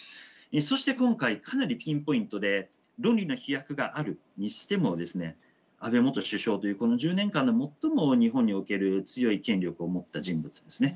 そして今回かなりピンポイントで論理の飛躍があるにしてもですね安倍元首相というこの１０年間で最も日本における強い権力を持った人物ですね。